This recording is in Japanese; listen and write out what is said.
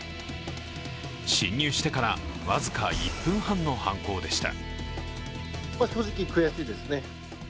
侵入してから僅か１分半の犯行でした。